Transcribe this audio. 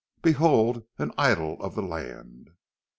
"Behold an idyll of the land!"